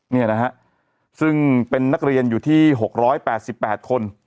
นี่นะฮะซึ่งเป็นนักเรียนอยู่ที่๖๘๘คน